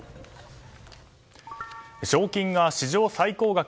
賞金が史上最高額。